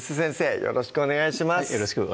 よろしくお願いします